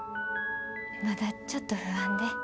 まだちょっと不安で。